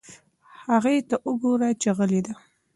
هغې ته وگوره چې غلې ده.